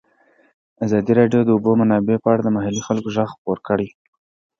ازادي راډیو د د اوبو منابع په اړه د محلي خلکو غږ خپور کړی.